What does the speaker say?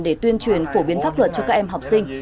để tuyên truyền phổ biến pháp luật cho các em học sinh